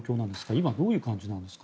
今、どういう感じなんですか。